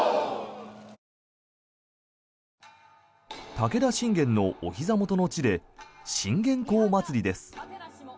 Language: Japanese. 武田信玄のおひざ元の地で信玄公祭りです。